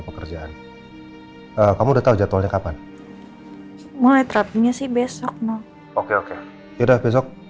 pekerjaan kamu udah tahu jadwalnya kapan mulai terapinya sih besok oke oke yaudah besok